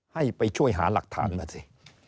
ให้ไปช่วยหาหลักฐานมาสิ